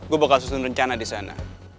gue bakal susun rencana di sana